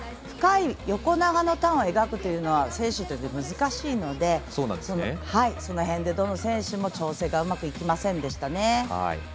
深い横長のターンを描くのは選手にとっては難しいのでその辺でどの選手も調整がうまくいきませんでしたね。